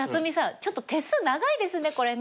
ちょっと手数長いですねこれね。